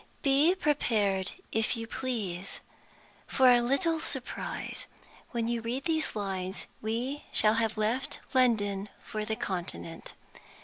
Be prepared, if you please, for a little surprise. When you read these lines we shall have left London for the Continent.